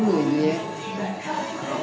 bởi vì tôi mới về đây mà